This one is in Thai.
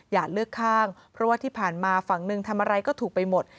อยากเลือกข้างเพราะว่าที่ผ่านมาฝั่งหนึ่งทำอะไรก็ถูกไปหมด